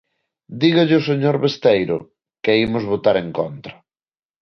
Dígalle ao señor Besteiro que imos votar en contra.